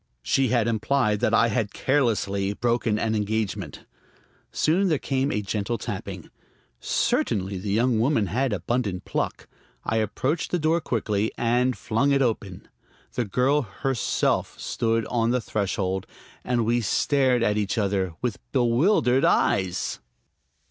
She had implied that I had carelessly broken an engagement. Soon there came a gentle tapping. Certainly the young woman had abundant pluck. I approached the door quickly, and flung it open. The Girl herself stood on the threshold, and we stared at each other with bewildered eyes!